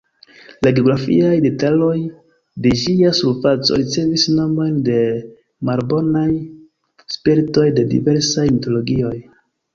La "geografiaj" detaloj de ĝia surfaco ricevis nomojn de malbonaj spiritoj de diversaj mitologioj.